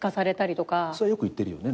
それよく言ってるよね。